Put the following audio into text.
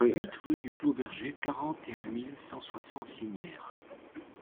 huit rue du Clos Berger, quarante et un mille cent soixante Lignières